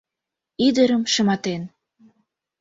Ӱдырым шыматен